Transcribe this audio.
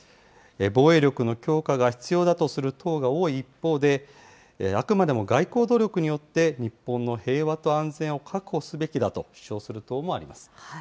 防衛力の強化が必要だとする党が多い一方で、あくまでも外交努力によって、日本の平和と安全を確保すべきだと主張する党もあります。